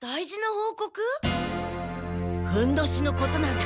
ふんどしのことなんだ。